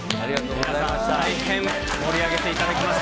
皆さん、大変盛り上げていただきました。